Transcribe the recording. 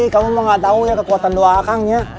kamu mau gak tau ya kekuatan doa akangnya